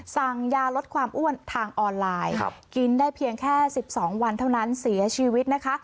สั่งยาลดความอ้วนทางออนไลน์กินได้เพียงแค่๑๒วันเท่านั้นเสียชีวิตนะคะ